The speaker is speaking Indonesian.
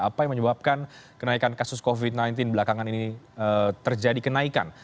apa yang menyebabkan kenaikan kasus covid sembilan belas belakangan ini terjadi kenaikan